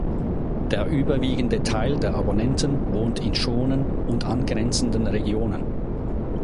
Der überwiegende Teil der Abonnenten wohnt in Schonen und angrenzenden Regionen.